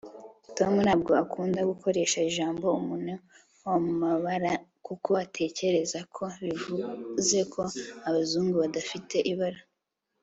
tom ntabwo akunda gukoresha ijambo umuntu wamabara kuko atekereza ko bivuze ko abazungu badafite ibara